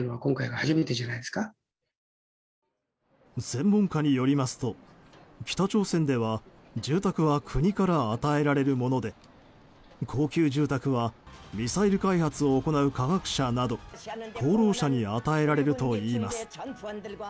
専門家によりますと北朝鮮では住宅は国から与えられるもので高級住宅はミサイル開発を行う科学者など功労者に与えられるといいます。